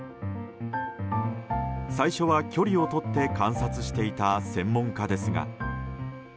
最初は、距離をとって観察していた専門家ですが。